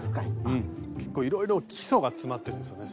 うん結構いろいろ基礎が詰まってるんですよね